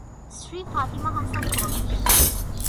স্ত্রী ফাতিমা হাসান পলাশ।